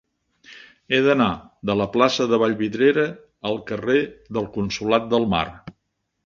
He d'anar de la plaça de Vallvidrera al carrer del Consolat de Mar.